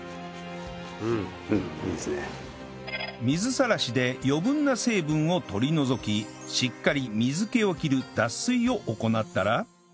水さらしで余分な成分を取り除きしっかり水気を切る脱水を行ったら